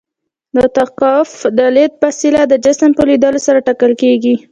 د توقف د لید فاصله د جسم په لیدلو سره ټاکل کیږي